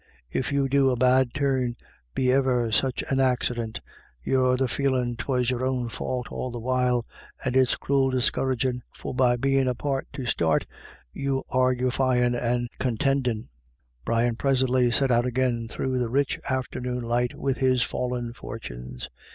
If you do a bad turn be iver such an accident, you've the feelin 'twas your own fau't all the while, and it's cruel dis couraging forby bein* apt to start you argufyin* and contindinV Brian presently set out again through the rich afternoon light with his fallen fortunes.